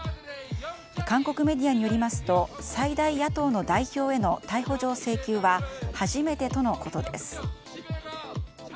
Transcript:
韓国メディアによりますと最大野党の代表への逮捕状請求は初めてとのことです。